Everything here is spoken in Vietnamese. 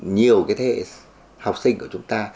nhiều cái thế hệ học sinh của chúng ta